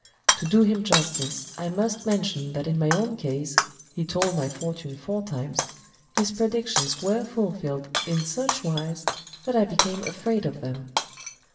To do him justice I must mention that in my own case—(he told my fortune four times),—his predictions were fulfilled in such wise that I became afraid of them.